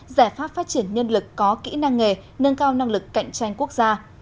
giải pháp phát triển nhân lực có kỹ năng nghề nâng cao năng lực cạnh tranh quốc gia